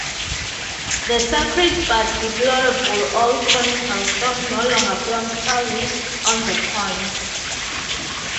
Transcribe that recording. The sacred but deplorable old conical stone no longer flaunts proudly on the coins.